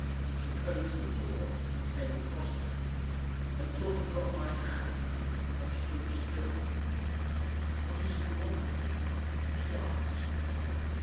She closed the door and came across to me and took and dropped my hand and stood still. "What is it you want with me?" she asked.